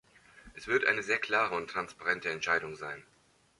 Es wird eine sehr klare und transparente Entscheidung sein.